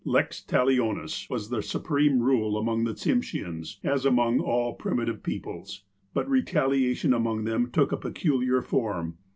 "Lex talionis" was the supreme rule among the Tsimsheans, as among all primitive peoples. But retali ation among them took a peculiar form.